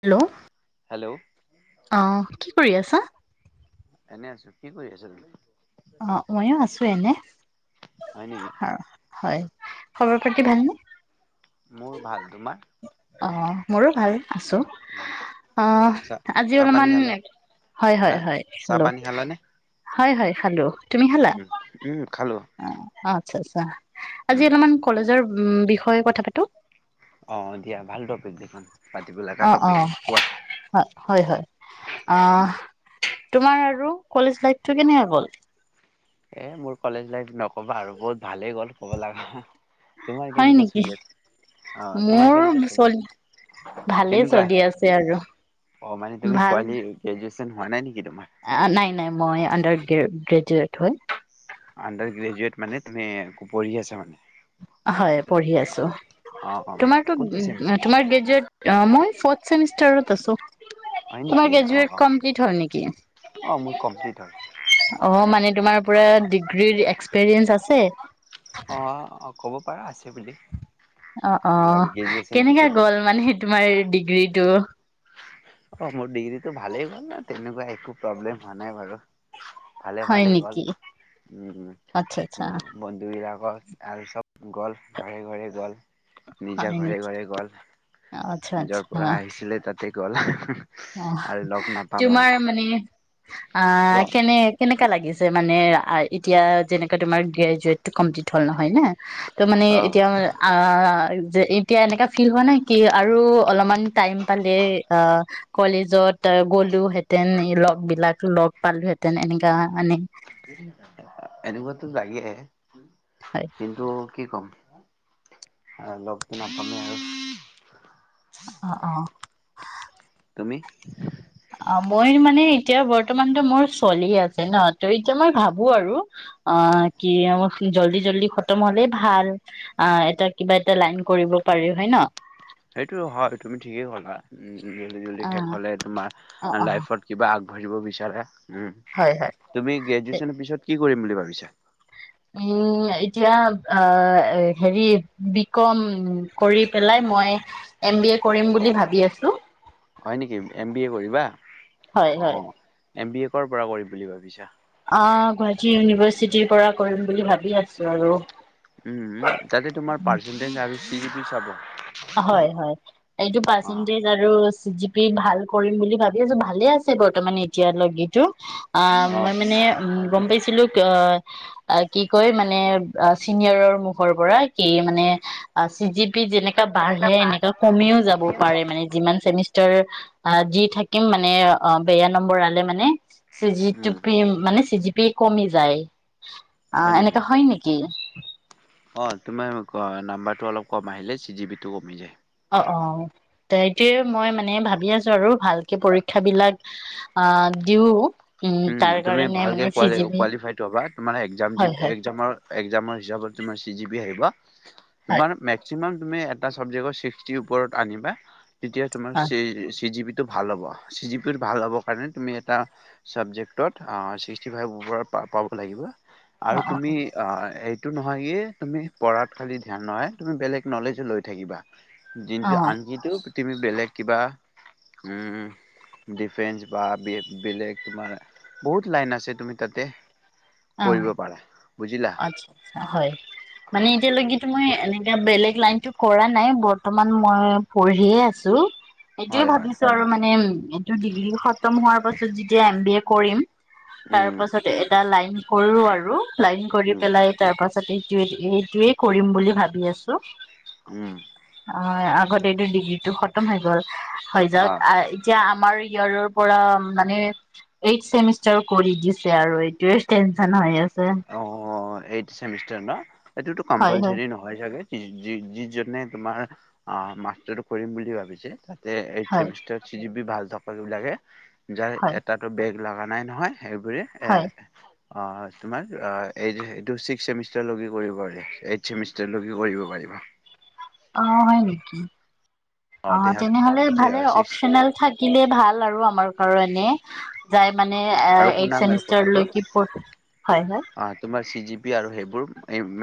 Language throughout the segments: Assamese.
হেল্ল' হেল্ল' অ কি কৰি আছা। এনে আছো কি কৰি আছা তুমি। অ মইয়ো আছো এনে হয় নেকি হয়। খবৰ খাটি ভালনে। মোৰ ভাল তোমাৰ অ মোৰো ভাল আছো উম, আহ চাহ আজি চাহ পানী অলপমান খালা হয় হা হয় হয় চাহ হেল্ল'। হয় হয় খালো। তুমি খালা উ উম খালোলো। অ আচ্ছা আচ্ছা। আজি অলপমান কলেজৰ। উম বিষয়ে কথা পাতো। অ দিয়া ভাল দৰ। যখন পাতিব লগা অ ট অ বিক হয় হয় অ কোৱা। তোমাৰ আৰু কলেজ লাইফটো কেনেকে গ'ল। এ মোৰ কলেজ লাইফ নকবা আৰু বহুত ভালে গ'ল ক'ব লাগা। তোমাৰ হয় কেনেুৱা নেকি চ অ তোমাৰ মোৰ কেনেকুৱা চলি চ ভালেই কেনেকুৱা চলি আছে আৰু অ মানে তুমি কোৱ। হোৱা নাই নেকি তোমাৰ অ নাই নাই মই আডাৰ। গ্ৰেজুট হয়। আডাৰ গ্ৰেজুৱেট মানে ত পঢ়ি আছা মানে। হয় পঢ়ি আছো। অ অ কোনটো চেমিষ্টাৰ চেমিষ্টাৰত আছো। হয় নেকি তোমাৰ অ গ্ৰেজট অ কমপ্লিট হল নেকি অ মোৰ কমপ্লিট হ'ল অ মানে। তোমাৰ পুৰা ডিগ্ৰি এক্সপেৰিয়েনচ আছে। অ। ক'ব পাৰা আছে বুলি। অ অ আৰু গ্ৰেজুৱেচন কেনেক পিছতো গ'ল মানে তোমাৰ ডিগ্ৰীটো। অ মোৰ ডিগ্ৰীতটো ভালেই হল তেনেকুৱা একো প্ৰব্লেম হোৱা নাই বাৰু। ভালে হয় ভালে গল, নেকি? আচ্ছা আচ্ছা উম বন্ধুবিলাক গছ আল চব গল ঘৰে ঘৰে গল। নিজা হয় ঘৰে নেকি? ঘৰে গ'ল, আচ্ছা নিজৰ পৰা আচ্ছা আহিছিলে তাত ঠিক হল। অ, তোমাৰ মানে অ কোৱা কেনে কেনেকা লাগিছ চে মানে, এতিয়া যেনেকা তোমাৰ গগ্ৰেজুৱেট কপ্লিট হল নহয় নে? তো মানে অ', এতিয়া আ যে এতিয়া এনেকা ফিল হোৱা নাই কি আৰু অলপমান টাইম পালে, অ। কলেজত তই গলোহেঁতেন লগ বিলাক লগ পালোহেঁতেন, এনেকা মানে এনেকুৱাতো লাগে। হয়। কিন্তু কি কম লগপ দিনা কমে আৰু অ অ তুমি? অ মই মানে এতিয়া বৰ্তমানতো মোৰ ছোৱালী আছে ন ত এতিয়া মই ভাবো আৰু, অ কি জল্ডি জল্ডি খতম হলেই ভাল, অ এটা কিবা এটা লাইন কৰিব পাৰি হয় ন। সেইটো হয় তুমি ঠিকেই কলা। জ জলদি অ শেষ হলে অ তোমাৰ অ লাইফত কিবা আগ- ভুজিব বিচাৰে। উম, হয় হয় তুমি এ- গ্ৰেজুৱেচনৰ পিছত কি কৰিম বুলি ভাবিছে? উম, এতিয়া হেৰি বি কম কৰি পেলাই মই এম বি এ কৰিম বুলি ভাবি আছো। হয় নেকি এম বি এ কৰিবা হয় অ। হয়। এম বি এ পৰা কৰিম বুলি ভাবিছা? অ গুৱাহাটী ইউনিভাৰ্চিটিৰ পৰা কৰিম বুলি ভাবি আছো আৰু। উম তাতে তোমাৰ পাৰ্চেনটেজ পি জিপি চাব। হয় হয়, এইটো অ', পাৰ্চেণ্টেজ আৰু চি জি পি ভাল কৰিম বুলি ভাবি আছো ভালে আছে বৰ্তমান এতিয়ালৈকেতো। অ মই মানে, উম গম পাইছিলো অ কি কয় মানে চিনিয়ৰৰ মুখৰ পৰা কি মানে চি জি পি যে বাঢ়ে এনেকা কমিও যাব পাৰে মানে যিমান চেমিষ্টাৰ অ যি থাকিম মানে অ বেয়া নম্বৰ আলে মানে [unintelligible] চিজি উম, টোপিম মানে চিজি বি কমি যায় অ এনেকা হয় নেকি অঁ তোমাৰ নাম্বাৰটো অলপ কম আহিলে চি জি বিটো কমি যায় অ টাইতে মই মানে ভাবি আছো আৰু ভালকে পৰীক্ষা বিলাক আহ দিও উম উ তাৰ তুমি কাৰণে ভালকে মানে ক চিজিবি কোৱালিফাইড হবা তোমাৰ একজাম হয় হয় একজামৰ একজামৰ হিচাপত তুমাৰ চি জি বি আহিবা হয় তোমাৰ মেচ [unintelligible] তেতিয়া তোমাৰ হয় চি জি বি টো ভাল হ'ব চি জি প ভাল হব কাৰণে তুমি এ ছাবজেক্টত ছিক্সটি ফাইভৰ পৰা পাব লাগিব অ আৰু তুমি অ এই এইটো নহয় কি তুমি পঢ়াত খালি ধ্যান নহয় তুমি বেলেগ নলেজো লৈ থাকিবা অ অ জিনকি আনকি টো তুমি বেলেগ কিবা ডিফেস বা বেলেগ তোমাৰ বহুত লাইন আছে তুমি তাতে আহ কৰিব পাৰা বুজিলা আ্ আ্ছা হয় মানে এতিয়ালৈকো মই এনে এ বেলেগ লাইনতো কৰা নাই বৰ্তমান মই পঢ়িয়ে আছো হয় সেইটোৱেই হয় ভাবিছো আৰু মানে উম এইটো ডিগ্ৰী খতম হোৱাৰ পাছত যেতিয়া এম বি এ কৰিম তাৰ উম পাছত এটা লাইন কৰো আৰু লাইন কৰি উম পেলাই তাৰপ তাৰপাছত এইটোৱে এইটোয়েই কৰিম বুলি ভাবি আছো উম হ য় অ [unintelligible] টো খতম হৈ গ'ল হৈ যাওক অ'। এতিয়া আমাৰ ইয়োৰৰ পৰা মানে এইথ চেমিষ্টাৰ কৰি দিছে আৰু এইটোে তেনছন হয় আ অ এই চেমিষ্টাৰ ন সেইটোতো হয়, হয়, কম্পালচেৰি নহয় ছাগে যিজনে তোমাৰ অ মাষ্টাৰটো কৰিম বুলি ভাবিছে তাত এই হয়, চেমিষ্টাৰ যিবি ভাল [unintelligible] বিলাকে যাৰ হয়, এটাতো বেগ লগা নাই নহয়! সেইবোৰে এ হয়, অ' তোমাৰ এইটো ছিক্স ছেমিষ্টাৰলৈকে কৰিব পাৰিবা, এইট ছেমিষ্টাৰলৈকে কৰিব পাৰিবা। অ' হয় নেকি? অ' তেনেহ'লে ভালে। ছিক্স অপচনেল থাকিলে ভাল আৰু আমাৰ। আৰু এনে, যাই মানে আৰু এইট শুনাম আৰু কথাটো ছেমিষ্টাৰলৈকে, [unintelligible] হয় হয়। অ তোমাৰ চি জি পি আৰু সেইবোৰ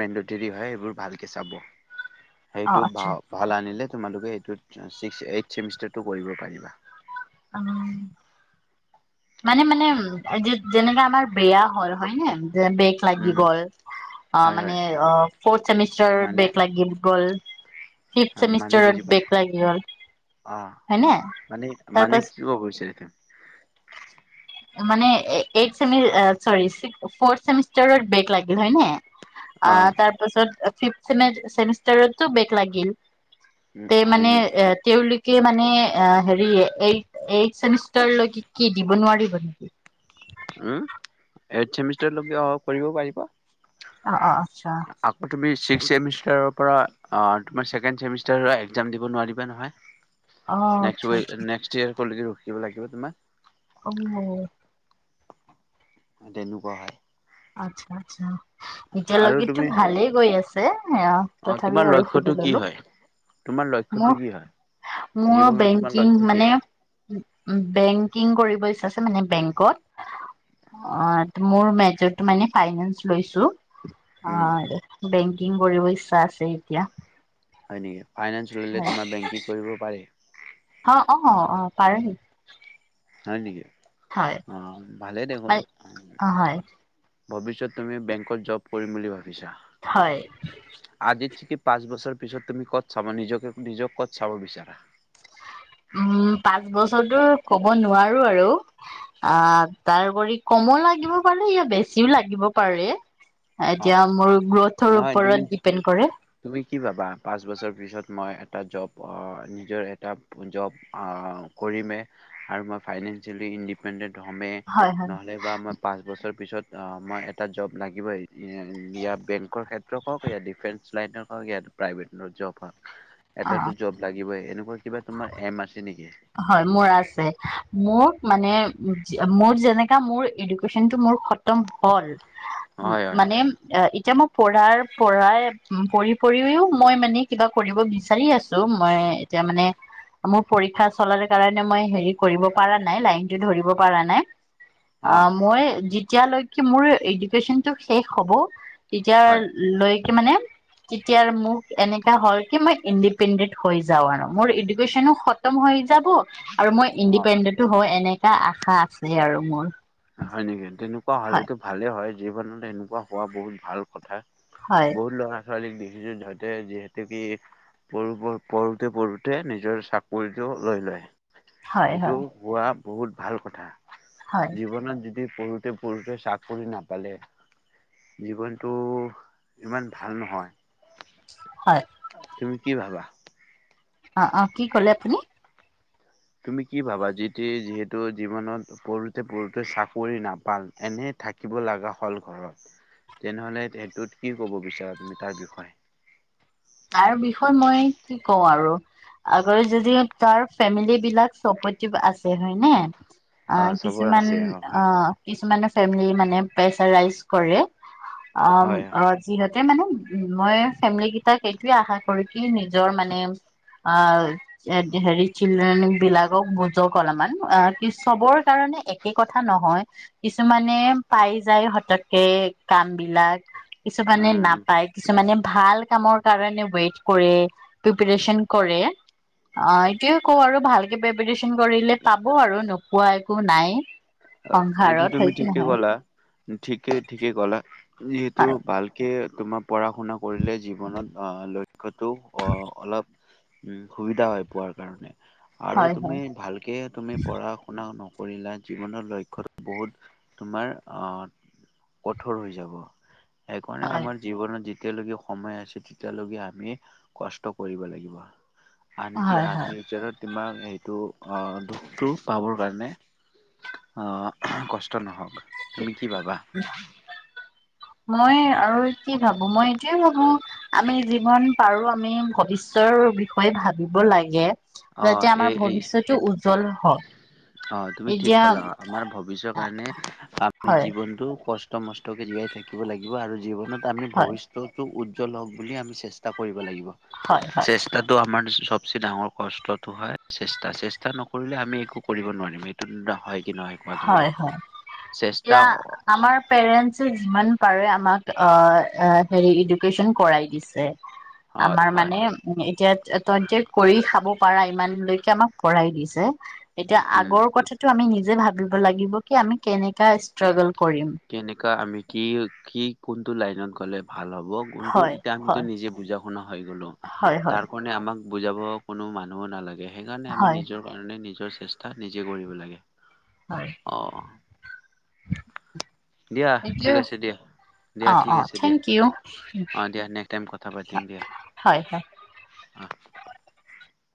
মেন্দেটৰি হয়, সেইবোৰ ভালকে চাব। অ', সেইটো আচ্ছা, ভ-ভাল আনিলে তোমালোক এইটোত, ছিক্স-এইট ছেমিষ্টাৰটো কৰিব পাৰিবা। উম, মানে-মানে যে-যেনেককা আমাৰ বেয়া হ'ল হয়নে! যে বেক লাগি উম গ'ল, অ' হয় হয় মানে অ' ফৰথ চেমিষ্টাৰত মানে বেক লাগি গ'ল। ফিফট মানে বুজি চেমিষ্টাৰত পোৱা নাই বেক লাগি গ'ল, অ হয়নে? মানে তাৰ মানে পাছ কি ক'ব খুজিছা এতিয়া? মানে এইট চেমি, চৰী, ছিক্স-ফৰ্থ চেমিষ্টাৰত বেক লাগিল হয় নে? আ অ হয় তাৰপাছত ফিফট চেমিষ্টাৰতো বেক লাগিল তে মানে, নেকি তেওঁলোক কে মানে, আ হেৰি এই-এই চেমিষ্টাৰ লৈকে দিব নোৱাৰিব নেকি? উম। এইট চেমিষ্টাৰলৈকে অ' কৰিব পাৰিব। অ' অ' অ'। আকৌ তুমি চিক্স চেমিষ্টাৰৰ পৰা আ, তোমাৰ ছেকেণ্ড চেমিষ্টাৰৰ একজাম দিব নোৱাৰিবা নহয়? আ, নেক্সট আচ্ছা ৱে আচ্ছা। [unintelligible] ৰখিব লাগিব তোমাৰ? অ'। তেনেকুৱা হয়। আচ্ছা আচ্ছা। আৰু এতিয়ালৈকেতো তুমি ভালেই গৈ আছে। অ তথাপি তোমাৰ আৰু লক্ষ্যটো সুধি কি ল'লো। হয় তোমাৰ লক্ষ্যটো মোৰ কি হয় মোৰ জীৱনৰ তোমাৰ বেংকিং লক্ষ্য কি মানে - পইচা আছে মানে বেংকত অ ত মোৰ মেজৰটো মানে ফাইনেচ লৈছোঁ। অ উম বেংকি- কিং কৰিব ইচ্ছা আছে এতিয়া। হয় নেকি? ফাইনেন্স ল'লে হয় তোমাৰ বেংকিং কৰিব পাৰে। পাৰে নি? হয় নেকি? অ ভালেই দেখোন। মানে হয় ভৱিষ্যত তুমি বেংকত জব কৰিম বুলি ভাবা। ভাবিছা হয় আজিৰ চিকি- পাঁচ বছৰ পিছত তুমি ক'ত চাব নিজকে নিজক ক'ত চাব বিচাৰা। উম পাঁচ বছৰটো ক'ব নোৱাৰো। আৰু আ তাৰ ওপৰি কমো লাগিব পাৰে ইয়া বেছিও লাগিব পাৰে অ এতিয়া মোৰ গ্ৰথৰ নহয় তুমি ওপৰত ডিপেণ্ড কৰে তুমি কি ভাবা পাঁচ বছৰ পিছত মই। এটা জব নিজৰ এটা জব কৰিমে আৰু মই ফাইনেন্সিয়েলি ইণ্ডিপেণ্ডেণ্ট। হমে হয় হয় নহ'লে বা মই পাঁচ বছৰ পিছত- অ মই এটা জব লাগিবই। ইয়াৰ বেংকৰ ক্ষেত্ৰত হওঁক ইয়া ডিফেন্স লাইনৰ হওঁক ইয়া প্ৰাইভেট জব হওঁক। অ' এটাটো জব লাগিবই এনেকুৱা। কিবা তোমাৰ এম আছে। নেকি? হয় মোৰ আছে মোৰ। মানে মোৰ যেনেকা মোৰ এডুকেশচন টো মোৰ খতম হ'ল। হয় হয় মানে। এতিয়া মই পঢ়াৰ পঢ়াই পঢ়ি পঢ়িও মই মানে কিবা কৰিব বিচাৰি আছোঁ। মই এতিয়া মানে মোৰ পৰীক্ষা। চলাৰ কাৰণে মই হেৰি কৰিব পাৰা নাই। লাইনতটো ধৰিব পাৰা নাই। অ মই যি। এতিয়ালৈকে মোৰ এডুকেশচনটো শেষ হ'ব। তেতিয়া হয়। লৈ। তেনেকে মানে তেতিয়াাৰ মোক এনেকা হ'ল কি মই ইণ্ডিপেণ্ডেট হৈ যাওঁ। আৰু মোৰ এডুকেশচনো খতম হৈ। থাকো আৰু মই অ। ইণ্ডিপেণ্ডেন্টটো হয় এনেক- এটা আশা আছে আৰু মোৰ। হয় নেকি তেনেকুৱা? পোৱা হয় হ'লেটো ভালে। হয় জীৱনত সেনেকুৱা হোৱা বহুত ভাল কথা। হয় বহুত ল'ৰা ছোৱালীক দি। যিজোন ঝতে যিহেতু কি প পঢ়োতে পঢ়োতে নিজৰ চাকৰিটো লৈ লয়। হয় হয় সেইটো হোৱা। বহুত ভাল কথা। হয় জীৱনত যদি পঢ়ো যদি পুৰুষে চাকৰি নাপালে জীৱনটো ইমান ভাল নহয়। হয়। তুমি কি ভাবা? অ অ কি ক'লে আপুনি? তুমি কি ভাবা যি টি যিহেতু জীৱনত পঢ়োতে পঢ়োতে চাকৰি নাপাল এনে থাকিব লগা হল ঘৰত, তেনেহলে সেইটোত কি কব বিচাৰা। তাৰ বিষয় তাৰ বিষয়ে মই কি কওঁ আৰু আগৰ যদি তাৰ ফেমিলী বিলাক চপৰ্টিভ আছে হয় নে। অ চবৰ কিছুমান আছে অ হয় কিছুমানৰ চাইমেনি মানে প্ৰেছাৰাইছ কৰে। অম হয় অ যিহেত মানে মই ফেমিলি গি- তাক সেইটয়ে আশা কৰি কি নিজৰ মানে আহ হেৰি চিল্ড্ৰেন বিলাকক বুজক অলপমান আহ কি চবৰ কাৰণে একে কথা নহয় কিছুমানে পাই যায় হতকে কাম বিলাক। কিছুমানে উম নাপায় কিছুমানে ভাল কামৰ কাৰণে ৱেট কৰে, প্ৰিপেচন কৰে, এইটোৱে কও আৰু ভালকে প্ৰিপেচন কৰিলে পাব আৰু ন- কোৱা একো নাই। সংসাৰত হয় কি নহয়? ঠিকেই ঠিকেই কলা। যিহেতু ভালকে তোমাৰ পঢ়া শুনা কৰিলে জীৱনত লৈ লক্ষ্যটো অ অলপ উম সুবিধা হয় পোৱাৰ কাৰণে। আৰু হয় হয় হয় তুমি ভালকে তুমি পঢ়া শুনা নক- কৰিলা জীৱনৰ লক্ষ্যটো বহুত তোমাৰ অ কঠোৰ হৈ যাব। সেকাৰণে হয় আমাৰ জীৱনৰ যি যেতিয়ালৈকে সময় আছে তেতিয়ালৈকে আমি কষ্ট কৰিব লাগিব। আনকি হয় হয় আনকি ফিউচাৰত তোমাক এইটো- দুখটো পাবৰ কাৰণে- কষ্ট নহওক। তুমি কি ভাবা? মই আৰু কি ভাবো মই এইটোয়ে ভাবো আমি জীৱন পাৰো আমি ভৱিষ্যৰ বিষয়ে ভাবিব লাগে। অঁ যেতিয়া এই আমাৰ ভৱিষ্যতটো উজ্জ্বল হয়। অ তুমি ঠিক কলা আমাৰ ভৱিষ্যৰ কাৰণে আমি হয় জীৱনতটো কষ্ট। নষ্ট মষ্টকে জীয়াই থাকিব লাগিব আৰু জীৱনত। আমি হয় ভৱিষ্যতো। লোক বুলি আমি চেষ্টা কৰিব লাগিব। হয় হয় চেষ্টাতটো আমাৰ। চবচে ডাঙৰ। কষ্টতটো হয় চেষ্টা চেষ্টা নকৰিলে আমি একো কৰিব নোৱাৰিম এইটো নহয়। কি কোৱা তুমি? হয় হয় চেষ্টা এতিয়া আমাৰ পেৰেন্স যিমান পাৰে আমাক অ। অ হেৰি এডুকেশচন কৰাই দিছে। হয় আমাৰ হয় মানে উ এতিয়া। তইটে কৰি খাব পাৰা ইমানলৈকে আমাক কৰাই দিছে। এতিয়া উম আগৰ কথাটো আমি নিজ। নিজে ভাব লাগিব কি আমি কেনেকে ষ্টোৰগালক। কেনেকা আমি কি কি। কোনটো লাইনত গ'লে। ভাল হ'ব কোনটো হয় এতিয়া আমিতো হয় নিজে বুজা শুনা হৈ গ'লো হয় হয় তাৰ কাৰণে আমাক। বুজাব কোনো মানুহো নালাগে। সেইকাৰণে আমি হয় নিজৰ কাৰণে নিজ। নিজৰ চেষ্টা নিজে কৰিব লাগে। হয়। অ [unintelligible] দিয়া ঠিক এইটোৱে আছে দিয়া দিয়া অ ঠিক অ আছে দিয়া থেংক ইউ অঁ দিয়া নেক্সট টাইম কথা পাতিম দিয়া। হয় হয় অঁ।